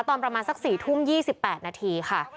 ตอนประมาณสักสี่ทุ่มยี่สิบแปดนาทีค่ะ